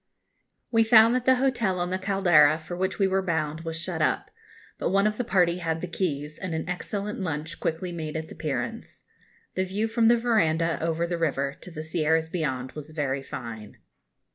] We found that the hotel on the Caldera for which we were bound was shut up; but one of the party had the keys, and an excellent lunch quickly made its appearance. The view from the verandah, over the river, to the Sierras beyond, was very fine.